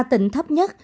ba tỉnh thấp nhất